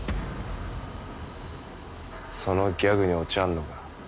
そのギャグにオチあんのか？